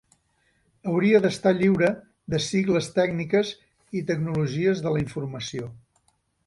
Hauria d'estar lliure de sigles tècniques i tecnologies de la informació.